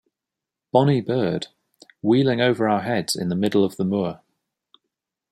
Bonny bird; wheeling over our heads in the middle of the moor.